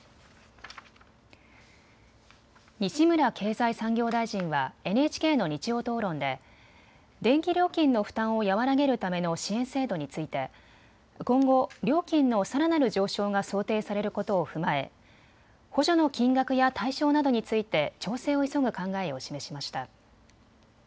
西村経済産業大臣はＮＨＫの日曜討論で電気料金の負担を和らげるための支援制度について今後、料金のさらなる上昇が想定されることを踏まえ補助の金額や対象などについて調整を急ぐ考えを示しました。